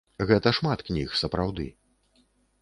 Гэта шмат кніг, сапраўды.